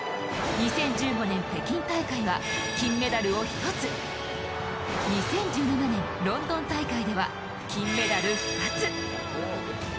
２０１５年北京大会は金メダルを１つ、２０１７年、ロンドン大会では金メダル２つ。